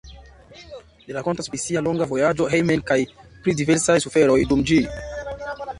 Li rakontas pri sia longa vojaĝo hejmen kaj pri diversaj suferoj dum ĝi.